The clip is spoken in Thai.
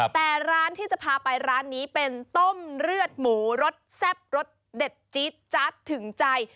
แต่ร้านที่จะพาไปร้านนี้เป็นต้มเลือดหมูรสแซ่บรสเด็ดจี๊ดจัดถึงใจ